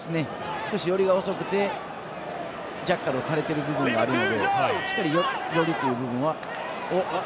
少し寄りが遅くてジャッカルをされてる部分があるのでしっかり寄るという部分は。